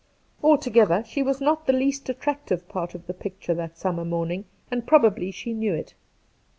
Altogether, she was not the least attractive part of the picture that summer morning, and probably she knew it.